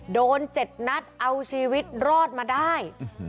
โดน๗นัดเอาชีวิตรอดมาได้